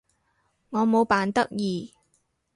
我冇扮得意